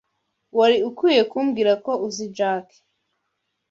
Wari ukwiye kumbwira ko uzi Jack.